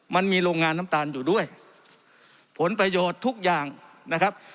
มันมีโรงงานน้ำตาลอยู่ด้วยผลประโยชน์ทุกอย่างนะครับ